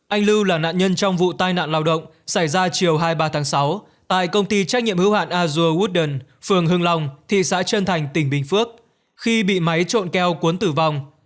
anh lưu là nạn nhân trong vụ tai nạn lao động xảy ra chiều hai mươi ba tháng sáu tại công ty trách nhiệm hữu hạn azure woodden phường hưng long thị xã trân thành tỉnh bình phước khi bị máy trộn keo cuốn tử vong